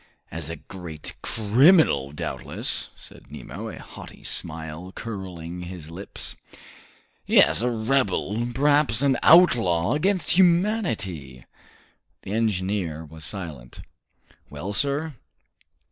"As a great criminal, doubtless!" said Captain Nemo, a haughty smile curling his lips. "Yes, a rebel, perhaps an outlaw against humanity!" The engineer was silent. "Well, sir?"